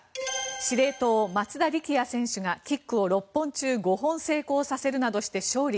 司令塔、松田力也選手がキックを６本中５本成功させるなどして勝利。